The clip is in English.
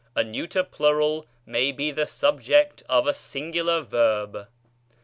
A neuter plural may be the subject of a singular verb. II.